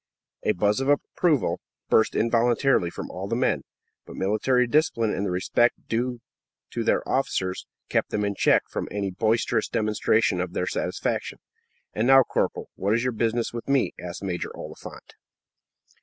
A buzz of approval burst involuntarily from all the men, but military discipline and the respect due to their officers kept them in check from any boisterous demonstration of their satisfaction. "And now, corporal, what is your business with me?" asked Major Oliphant.